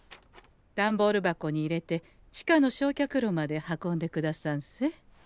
段ボール箱に入れて地下のしょうきゃくろまで運んでくださんせ。